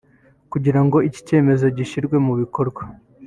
kugira ngo iki cyemezo gishyirwe mu bikorwa